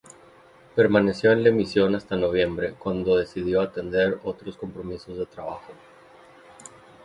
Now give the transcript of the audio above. Permaneció en la emisión hasta noviembre, cuando decidió atender otros compromisos de trabajo.